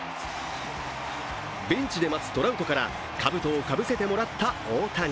ベンチで待つトラウトからかぶとをかぶせてもらった大谷。